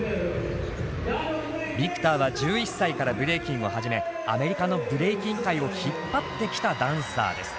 Ｖｉｃｔｏｒは１１歳からブレイキンを始めアメリカのブレイキン界を引っ張ってきたダンサーです。